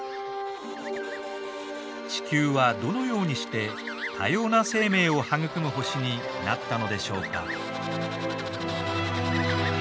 地球はどのようにして多様な生命を育む星になったのでしょうか？